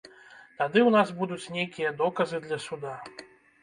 Тады ў нас будуць нейкія доказы для суда.